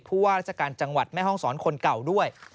ผู้ว่าราชการจังหวัดแม่ห้องศรคนเก่าด้วย